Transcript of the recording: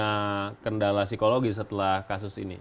pak ahok punya kendala psikologi setelah kasus ini